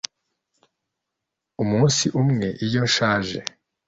Umunsi umwe iyo nshaje